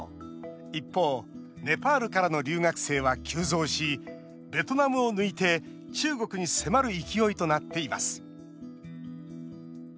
一方、ネパールからの留学生は急増しベトナムを抜いて中国に迫る勢いとなっています。